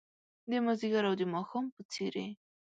د مازدیګر او د ماښام په څیرې